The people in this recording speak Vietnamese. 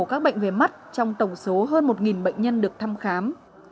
các bệnh về mắt trong tổng số hơn một bệnh nhân được thăm khám